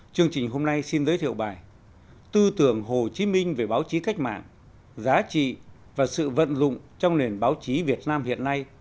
chương trình hôm nay xin giới thiệu bài tư tưởng hồ chí minh về báo chí cách mạng giá trị và sự vận dụng trong nền báo chí việt nam hiện nay